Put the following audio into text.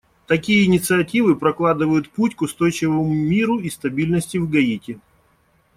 Такие инициативы прокладывают путь к устойчивому миру и стабильности в Гаити.